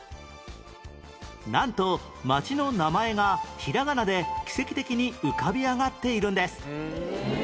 なんと町の名前がひらがなで奇跡的に浮かび上がっているんです